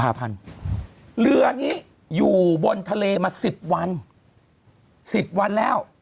เรือนี้อยู่บนทะเลมา๑๐วัน๑๐วันแล้ว